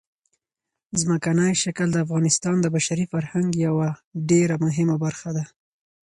ځمکنی شکل د افغانستان د بشري فرهنګ یوه ډېره مهمه برخه ده.